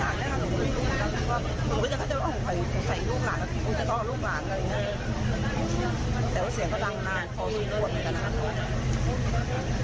แต่ว่าเสียงก็ดังมากหล่อของศักดิ์บวกเหมือนกันนะครับ